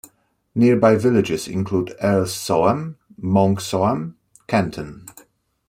Nearby villages include Earl Soham, Monk Soham, Kenton.